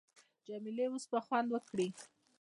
جمیلې اوس به خوند وکي.